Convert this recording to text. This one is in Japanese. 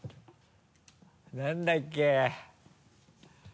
何だっけ？